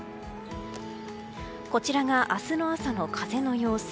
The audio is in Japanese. こちらが明日の朝の風の様子。